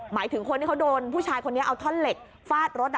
หมายถึงคนที่เขาโดนผู้ชายคนนี้เอาท่อนเหล็กฟาดรถ